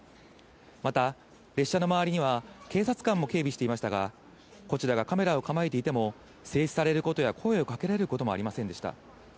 また列車の周りには警察官も警備していましたが、こちらがカメラを構えていても、制止されることや、声をかけられることもありませんでした。